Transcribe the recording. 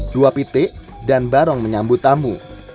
dua pitik dan barong menyambut tamu